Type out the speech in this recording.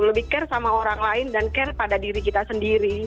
lebih care sama orang lain dan care pada diri kita sendiri